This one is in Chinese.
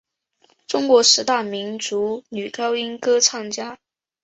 中国十大民族女高音歌唱家。